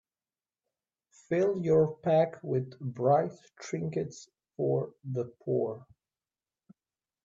Fill your pack with bright trinkets for the poor.